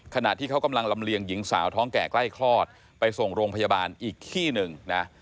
ขณะที่เขากำลังลำเลียงหญิงสาวท้องแก่ใกล้คลอดไปส่งโรงพยาบาลอีกที่หนึ่งนะ